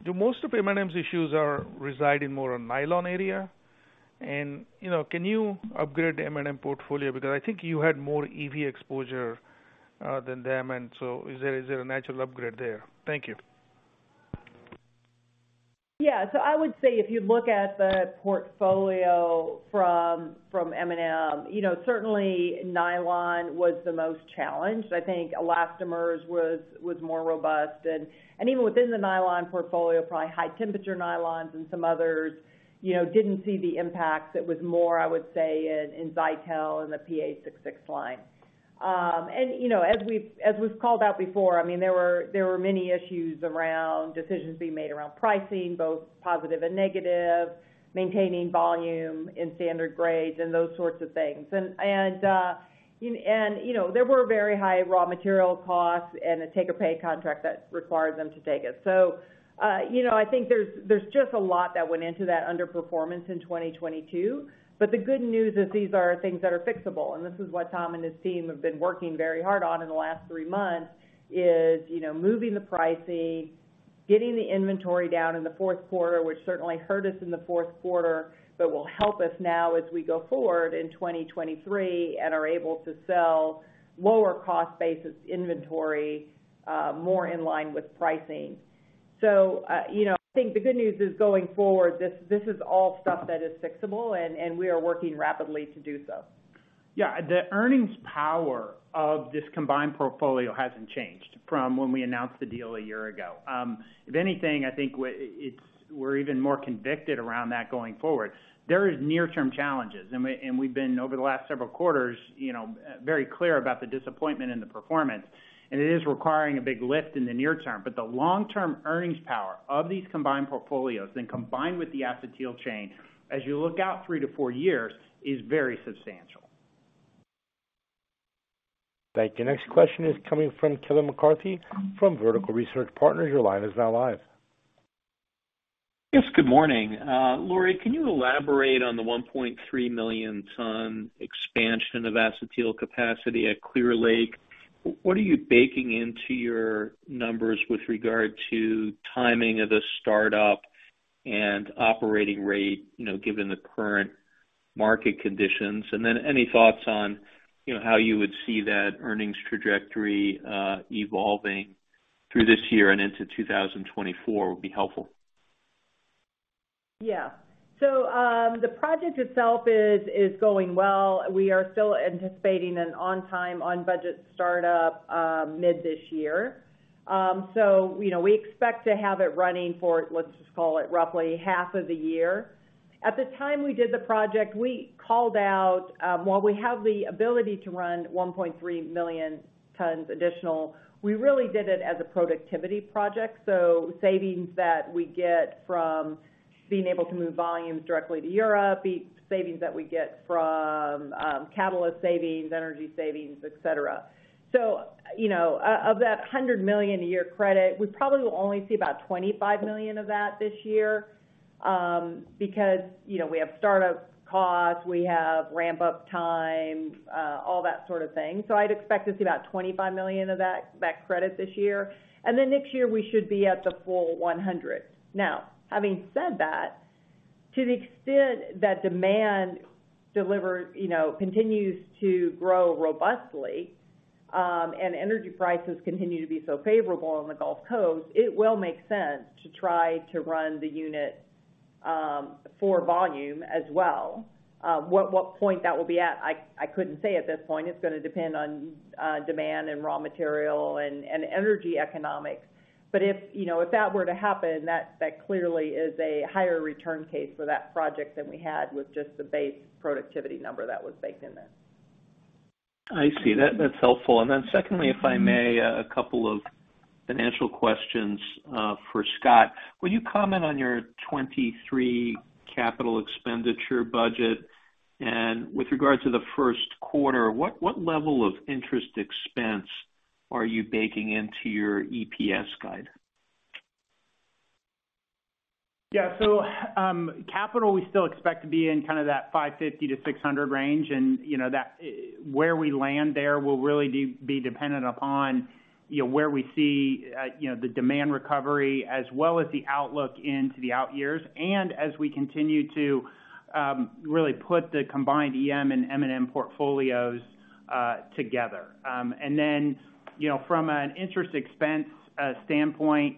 Do most of M&M's issues are residing more on nylon area? You know, can you upgrade the M&M portfolio? Because I think you had more EV exposure than them. Is there a natural upgrade there? Thank you. I would say if you look at the portfolio from M&M, you know, certainly nylon was the most challenged. I think elastomers was more robust. Even within the nylon portfolio, probably high temperature nylons and some others, you know, didn't see the impacts. It was more, I would say in Zytel and the PA66 line. You know, as we've called out before, I mean, there were many issues around decisions being made around pricing, both positive and negative, maintaining volume in standard grades and those sorts of things. You know, there were very high raw material costs and a take-or-pay contract that required them to take it. You know, I think there's just a lot that went into that underperformance in 2022. The good news is these are things that are fixable, and this is what Tom and his team have been working very hard on in the last three months, is, you know, moving the pricing, getting the inventory down in the fourth quarter, which certainly hurt us in the fourth quarter, but will help us now as we go forward in 2023, and are able to sell lower cost basis inventory, more in line with pricing. You know, I think the good news is going forward, this is all stuff that is fixable and we are working rapidly to do so. The earnings power of this combined portfolio hasn't changed from when we announced the deal a year ago. If anything, I think we're even more convicted around that going forward. There is near-term challenges and we, and we've been, over the last several quarters, you know, very clear about the disappointment in the performance, and it is requiring a big lift in the near term. The long-term earnings power of these combined portfolios and combined with the acetyl chain as you look out three to four years, is very substantial. Thank you. Next question is coming from Kevin McCarthy from Vertical Research Partners. Your line is now live. Good morning. Lori, can you elaborate on the 1.3 million ton expansion of acetyl capacity at Clear Lake? What are you baking into your numbers with regard to timing of the startup and operating rate, you know, given the current market conditions? Any thoughts on, you know, how you would see that earnings trajectory evolving through this year and into 2024 would be helpful. Yeah. The project itself is going well. We are still anticipating an on time, on budget startup, mid this year. You know, we expect to have it running for, let's just call it roughly half of the year. At the time we did the project, we called out, while we have the ability to run 1.3 million tons additional, we really did it as a productivity project. Savings that we get from being able to move volumes directly to Europe, savings that we get from, catalyst savings, energy savings, et cetera. You know, of that $100 million a year credit, we probably will only see about $25 million of that this year, because, you know, we have start-up costs, we have ramp up times, all that sort of thing. I'd expect to see about $25 million of that credit this year. Next year, we should be at the full $100 million. Having said that, to the extent that demand delivers, you know, continues to grow robustly, and energy prices continue to be so favorable on the Gulf Coast, it will make sense to try to run the unit for volume as well. What point that will be at, I couldn't say at this point. It's gonna depend on demand and raw material and energy economics. If, you know, if that were to happen, that clearly is a higher return case for that project than we had with just the base productivity number that was baked in there. I see. That's helpful. Secondly, if I may, a couple of financial questions for Scott. Will you comment on your 2023 capital expenditure budget? With regard to the first quarter, what level of interest expense are you baking into your EPS guide? Capital we still expect to be in kind of that $550 million-$600 million range. You know, Where we land there will really be dependent upon, you know, where we see, you know, the demand recovery as well as the outlook into the out years, and as we continue to, really put the combined EM and M&M portfolios together. You know, From an interest expense standpoint,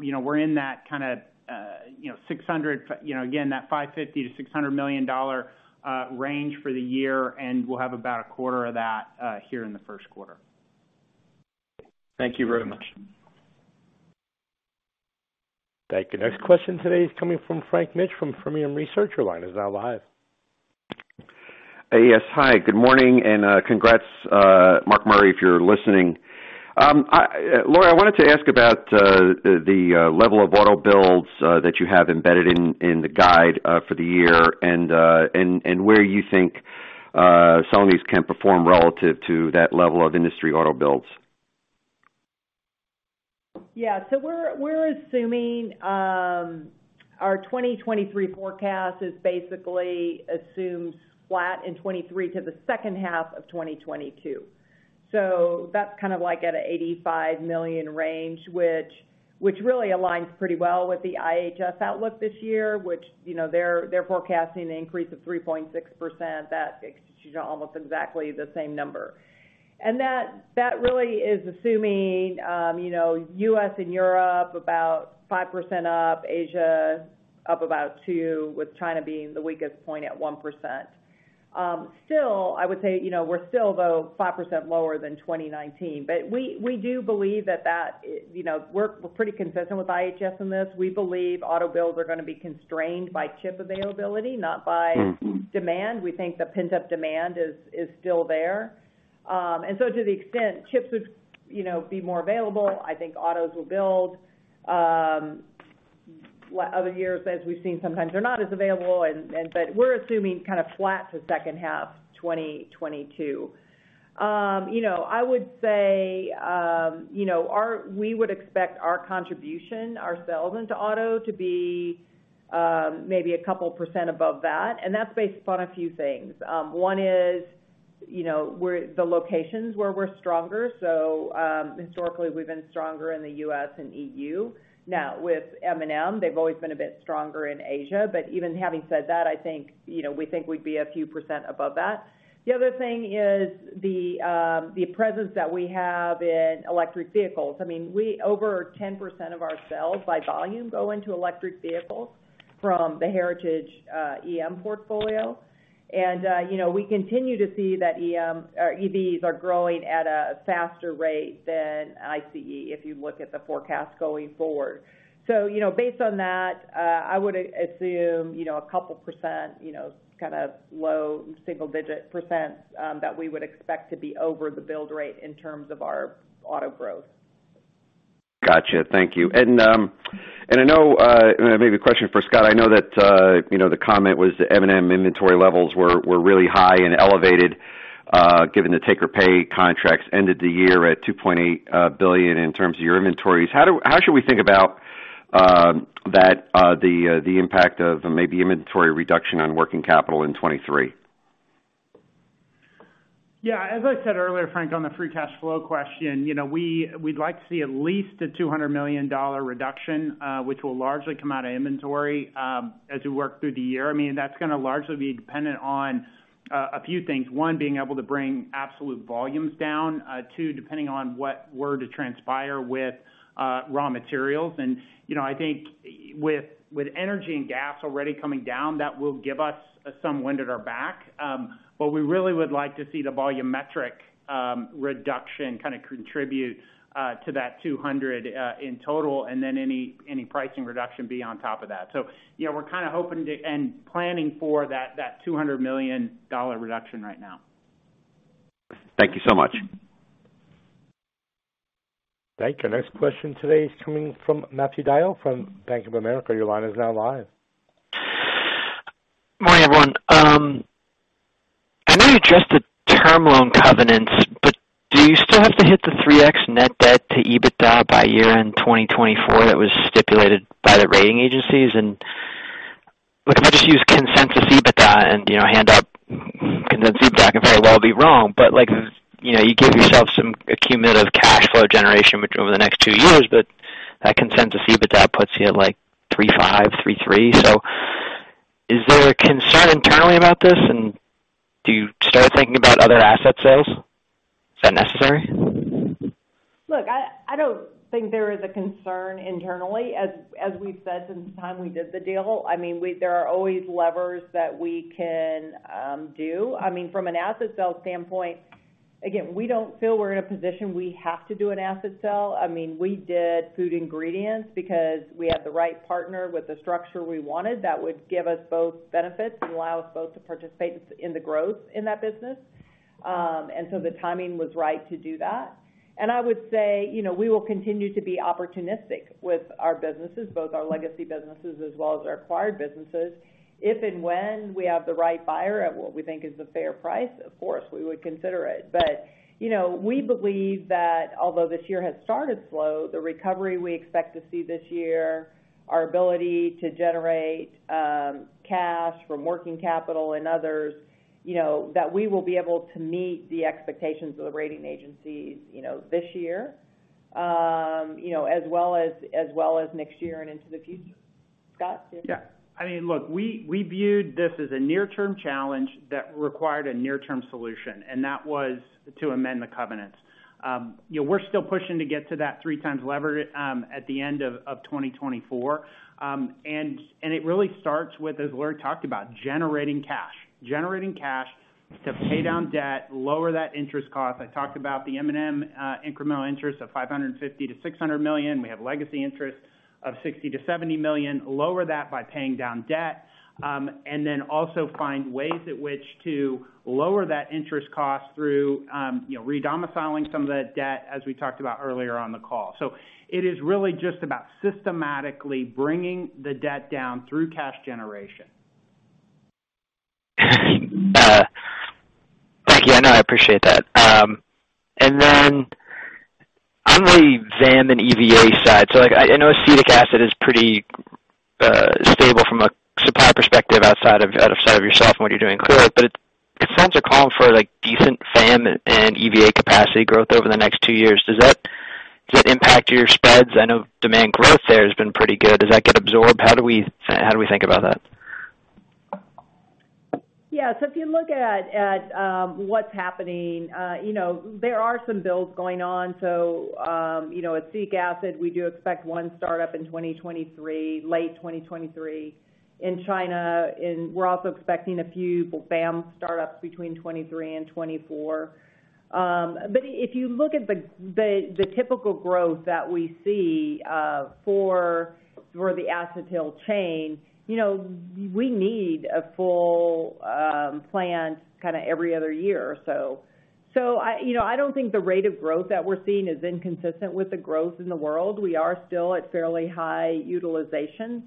you know, we're in that kinda, again, that $550 million-$600 million range for the year, and we'll have about a quarter of that here in the first quarter. Thank you very much. Thank you. Next question today is coming from Frank Mitsch from Fermium Research. Your line is now live. Yes. Hi, good morning, and congrats, Mark Murray, if you're listening. Lori, I wanted to ask about the level of auto builds that you have embedded in the guide for the year and where you think Celanese can perform relative to that level of industry auto builds. Yeah. We're assuming our 2023 forecast is basically assumes flat in 2023 to the second half of 2022. That's kind of like at a $85 million range, which really aligns pretty well with the IHS outlook this year, which, you know, they're forecasting an increase of 3.6%. That takes you to almost exactly the same number. That really is assuming, you know, U.S. and Europe about 5% up, Asia up about 2%, with China being the weakest point at 1%. Still, I would say, you know, we're still though 5% lower than 2019. We do believe that, you know, we're pretty consistent with IHS in this. We believe auto builds are gonna be constrained by chip availability. Mm-hmm. Demand. We think the pent-up demand is still there. To the extent chips would, you know, be more available, I think autos will build. Other years, as we've seen, sometimes they're not as available. We're assuming kind of flat to second half 2022. You know, I would say, you know, we would expect our contribution ourselves into auto to be, maybe a couple percent above that, and that's based upon a few things. One is, you know, the locations where we're stronger. So, historically, we've been stronger in the U.S. and EU. Now, with M&M, they've always been a bit stronger in Asia. Even having said that, I think, you know, we think we'd be a few percent above that. The other thing is the presence that we have in electric vehicles. I mean, over 10% of our sales by volume go into electric vehicles from the Heritage EM portfolio. You know, we continue to see that EVs are growing at a faster rate than ICE if you look at the forecast going forward. You know, based on that, I would assume, you know, a couple percent, you know, kind of low single digit percents, that we would expect to be over the build rate in terms of our auto growth. Gotcha. Thank you. I know maybe a question for Scott. I know that the comment was the M&M inventory levels were really high and elevated given the take-or-pay contracts ended the year at $2.8 billion in terms of your inventories. How should we think about that the impact of maybe inventory reduction on working capital in 2023? Yeah. As I said earlier, Frank, on the free cash flow question, you know, we'd like to see at least a $200 million reduction, which will largely come out of inventory, as we work through the year. I mean, that's gonna largely be dependent on a few things. One, being able to bring absolute volumes down. Two, depending on what were to transpire with raw materials. You know, I think with energy and gas already coming down, that will give us some wind at our back. We really would like to see the volumetric reduction kinda contribute to that $200 in total and then any pricing reduction be on top of that. You know, we're kinda hoping to and planning for that $200 million reduction right now. Thank you so much. Thank you. Next question today is coming from Matthew DeYoe from Bank of America. Your line is now live. Morning, everyone. I know you adjusted term loan covenants, do you still have to hit the 3x net debt to EBITDA by year-end 2024 that was stipulated by the rating agencies? Like, if I just use consensus EBITDA and, you know, hand up consensus EBITDA can very well be wrong. Like, you know, you give yourself some cumulative cash flow generation over the next two years, that consensus EBITDA puts you at, like, 3.5, 3.3. Is there a concern internally about this? Do you start thinking about other asset sales? Is that necessary? Look, I don't think there is a concern internally. As we've said since the time we did the deal, I mean, there are always levers that we can do. I mean, from an asset sale standpoint, again, we don't feel we're in a position we have to do an asset sale. I mean, we did Food Ingredients because we had the right partner with the structure we wanted that would give us both benefits and allow us both to participate in the growth in that business. So the timing was right to do that. I would say, you know, we will continue to be opportunistic with our businesses, both our legacy businesses as well as our acquired businesses. If and when we have the right buyer at what we think is a fair price, of course, we would consider it. You know, we believe that although this year has started slow, the recovery we expect to see this year, our ability to generate cash from working capital and others, you know, that we will be able to meet the expectations of the rating agencies, you know, this year, you know, as well as next year and into the future. Scott? Yeah. I mean, look, we viewed this as a near-term challenge that required a near-term solution, and that was to amend the covenants. You know, we're still pushing to get to that 3x lever at the end of 2024. It really starts with, as Lori talked about, generating cash. Generating cash to pay down debt, lower that interest cost. I talked about the M&M incremental interest of $550 million-$600 million. We have legacy interest of $60 million-$70 million. Lower that by paying down debt, and then also find ways at which to lower that interest cost through, you know, re-domiciling some of that debt, as we talked about earlier on the call. It is really just about systematically bringing the debt down through cash generation. Thank you. I know, I appreciate that. On the VAM and EVA side, like I know acetic acid is pretty stable from a supply perspective outside of yourself and what you're doing clearly, but it sounds you're calling for like decent VAM and EVA capacity growth over the next two years. Does that impact your spreads? I know demand growth there has been pretty good. Does that get absorbed? How do we think about that? Yeah. If you look at what's happening, you know, there are some builds going on. You know, at acetic acid, we do expect one start-up in 2023, late 2023 in China, and we're also expecting a few VAM start-ups between 2023 and 2024. If you look at the typical growth that we see for the acetyl chain, you know, we need a full plan kinda every other year or so. I, you know, I don't think the rate of growth that we're seeing is inconsistent with the growth in the world. We are still at fairly high utilization.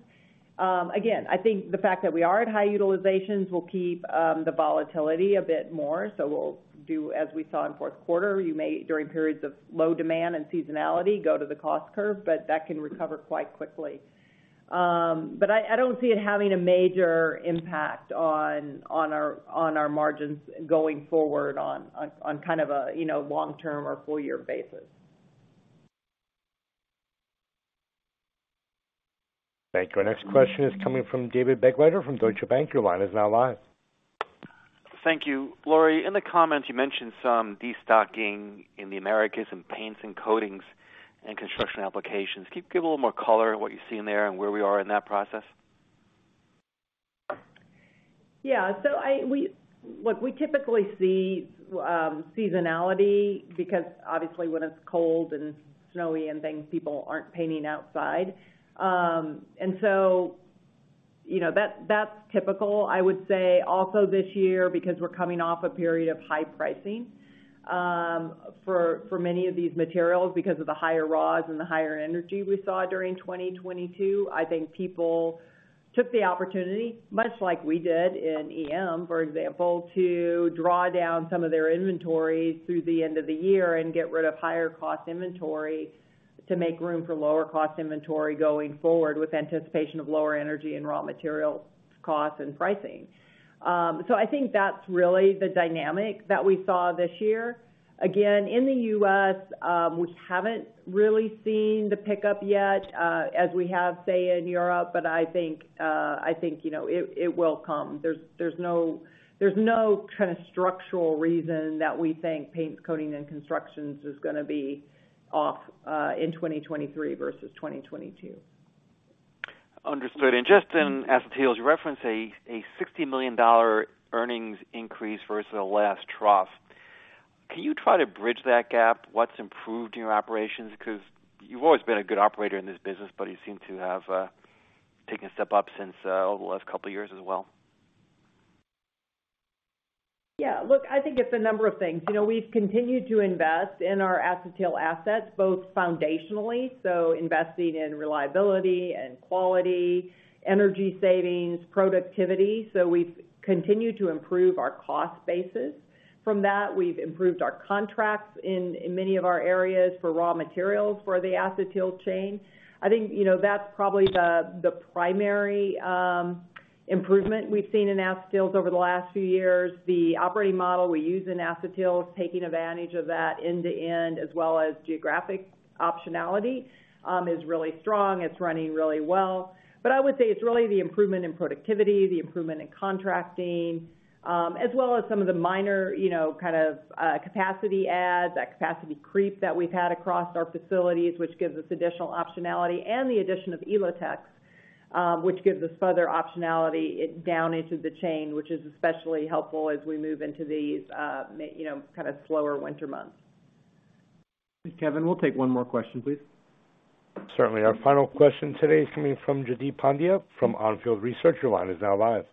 Again, I think the fact that we are at high utilizations will keep the volatility a bit more. We'll do as we saw in fourth quarter, you may, during periods of low demand and seasonality, go to the cost curve, but that can recover quite quickly. But I don't see it having a major impact on our margins going forward on kind of a, you know, long-term or full year basis. Thank you. Our next question is coming from David Begleiter from Deutsche Bank. Your line is now live. Thank you. Lori, in the comments, you mentioned some destocking in the Americas and paints and coatings and construction applications. Can you give a little more color on what you're seeing there and where we are in that process? Yeah. Look, we typically see seasonality because obviously when it's cold and snowy and things, people aren't painting outside. You know, that's typical. I would say also this year, because we're coming off a period of high pricing for many of these materials because of the higher raws and the higher energy we saw during 2022, I think people took the opportunity, much like we did in EM, for example, to draw down some of their inventory through the end of the year and get rid of higher cost inventory to make room for lower cost inventory going forward with anticipation of lower energy and raw material costs and pricing. I think that's really the dynamic that we saw this year. Again, in the U.S., we haven't really seen the pickup yet, as we have, say, in Europe. I think, you know, it will come. There's no, there's no kind of structural reason that we think paints, coating, and constructions is gonna be off in 2023 versus 2022. Understood. Just in acetyl, as you reference a $60 million earnings increase versus the last trough, can you try to bridge that gap? What's improved in your operations? Because you've always been a good operator in this business, but you seem to have taken a step up since over the last couple of years as well. Yeah. Look, I think it's a number of things. You know, we've continued to invest in our acetyl assets, both foundationally, so investing in reliability and quality, energy savings, productivity. We've continued to improve our cost basis. From that, we've improved our contracts in many of our areas for raw materials for the acetyl chain. I think, you know, that's probably the primary improvement we've seen in acetyls over the last few years. The operating model we use in acetyl is taking advantage of that end-to-end as well as geographic optionality is really strong. It's running really well. I would say it's really the improvement in productivity, the improvement in contracting, as well as some of the minor, you know, kind of, capacity adds, that capacity creep that we've had across our facilities, which gives us additional optionality and the addition of Elotex. Which gives us further optionality it, down into the chain, which is especially helpful as we move into these, You know, kind of slower winter months. Kevin, we'll take one more question, please. Certainly. Our final question today is coming from Jaideep Pandya from On Field Research. Your line is now live.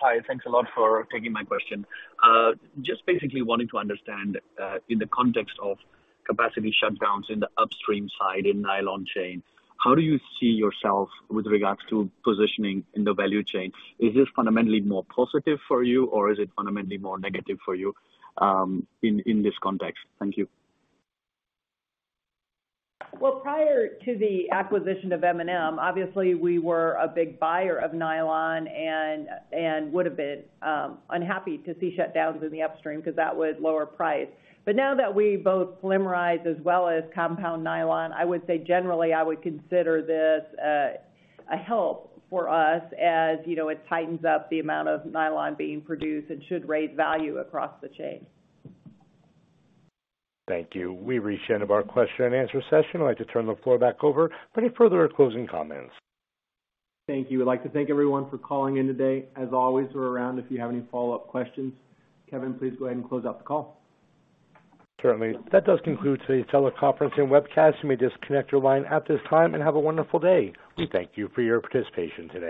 Hi, thanks a lot for taking my question. Just basically wanting to understand in the context of capacity shutdowns in the upstream side in nylon chain, how do you see yourself with regards to positioning in the value chain? Is this fundamentally more positive for you, or is it fundamentally more negative for you in this context? Thank you. Prior to the acquisition of M&M, obviously we were a big buyer of nylon and would have been unhappy to see shutdowns in the upstream 'cause that would lower price. Now that we both polymerize as well as compound nylon, I would say generally I would consider this a help for us as, you know, it tightens up the amount of nylon being produced and should raise value across the chain. Thank you. We've reached the end of our question and answer session. I'd like to turn the floor back over for any further closing comments. Thank you. I'd like to thank everyone for calling in today. As always, we're around if you have any follow-up questions. Kevin, please go ahead and close out the call. Certainly. That does conclude today's teleconference and webcast. You may disconnect your line at this time, and have a wonderful day. We thank you for your participation today.